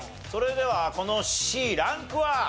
それではこのＣランクは？